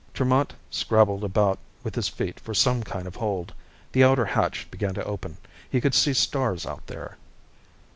Tremont scrabbled about with his feet for some kind of hold. The outer hatch began to open. He could see stars out there.